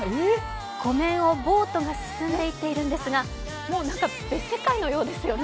湖面をボートが進んでいっているんですがもう別世界のようですよね。